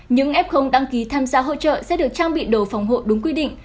những f không đăng ký tham gia hỗ trợ sẽ được trang bị đồ phòng hộ đúng quy định